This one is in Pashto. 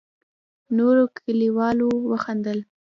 نورو کليوالو وخندل.